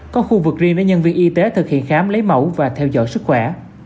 có khu vực riêng để nhân viên y tế thực hiện khám lấy mẫu và theo dõi sức khỏe